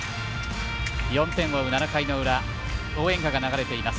４点を追う、７回の裏応援歌が流れています。